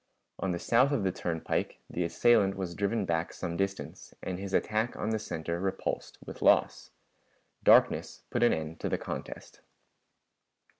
On the south of the turnpike the assailant was driven back some distance, and his attack on the center repulsed with loss. Darkness put an end to the contest.